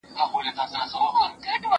زه به سبا کالي وچوم!.